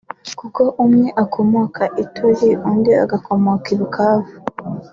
kuko umwe ngo akomoka Ituri undi agakomoka i Bukavu